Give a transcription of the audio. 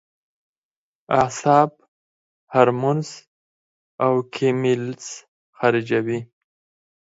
اعصاب هارمونز او کېميکلز خارجوي